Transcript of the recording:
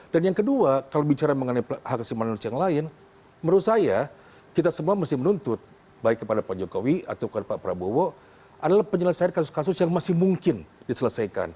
dan yang kedua kalau bicara mengenai hak simanonis yang lain menurut saya kita semua mesti menuntut baik kepada pak jokowi atau kepada pak prabowo adalah penyelesaian kasus kasus yang masih mungkin diselesaikan